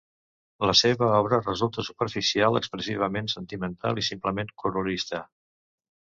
La seva obra resulta superficial, expressivament sentimental i simplement colorista.